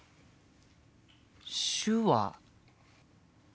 手話。